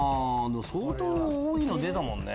相当多いの出たもんね。